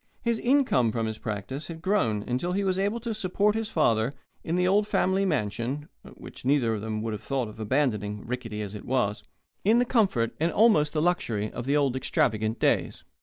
His income from his practice had grown until he was able to support his father, in the old family mansion (which neither of them would have thought of abandoning, rickety as it was) in the comfort and almost the luxury of the old extravagant days.